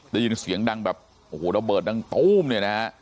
ได้ยินเสียงดังแบบโอ้โหระเบิดดังตู้มเนี่ยนะฮะ